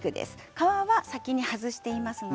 皮は先に外しています。